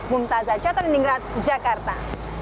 bumtaza chatteliningrat jakarta